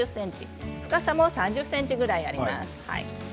深さも３０ｃｍぐらいあります。